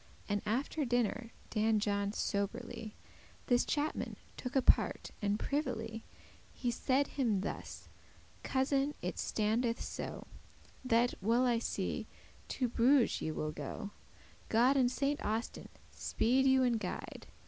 And after dinner Dan John soberly This chapman took apart, and privily He said him thus: "Cousin, it standeth so, That, well I see, to Bruges ye will go; God and Saint Austin speede you and guide.